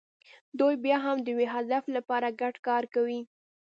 دوی بیا هم د یوه هدف لپاره ګډ کار کوي.